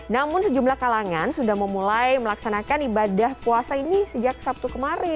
namun sejumlah kalangan sudah memulai melaksanakan ibadah puasa ini sejak sabtu kemarin